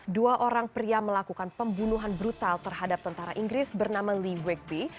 dua orang pria melakukan pembunuhan brutal terhadap tentara inggris bernama lee weekbi